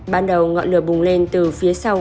ban đầu ngọn lửa bùng lên từ phía sau